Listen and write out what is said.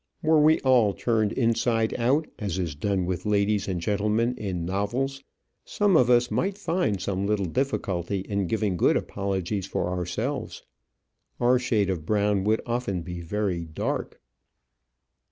Were we all turned inside out, as is done with ladies and gentlemen in novels, some of us might find some little difficulty in giving good apologies for ourselves. Our shade of brown would often be very dark.